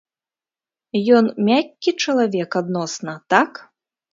Ён мяккі чалавек адносна, так?